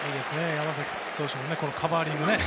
山崎投手のカバーリングね。